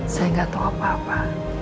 saya gak tau apa apa